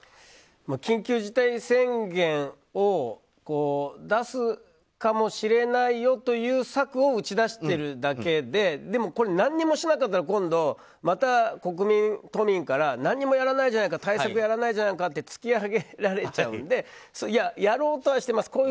緊急事態宣言を出すかもしれないよという策を打ち出してるだけででも、何もしなかったら今度また国民、都民から何も対策やらないじゃないかって突き上げられちゃうのでやろうとはしてます